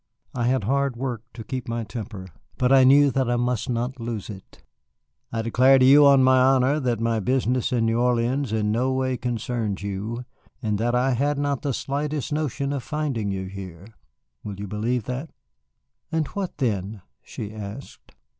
I had hard work to keep my temper, but I knew that I must not lose it. "I declare to you on my honor that my business in New Orleans in no way concerns you, and that I had not the slightest notion of finding you here. Will you believe that?" "And what then?" she asked.